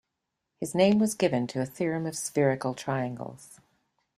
His name was given to a theorem of spherical triangles.